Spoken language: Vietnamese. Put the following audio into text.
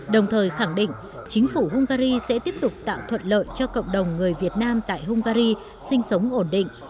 đồng thời khẳng định chính phủ hungary sẽ tiếp tục tạo thuận lợi cho cộng đồng người việt nam tại hungary sinh sống ổn định